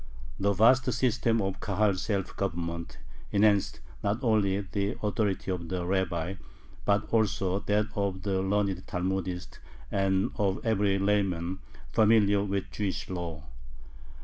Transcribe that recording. The vast system of Kahal self government enhanced not only the authority of the rabbi, but also that of the learned Talmudist and of every layman familiar with Jewish law.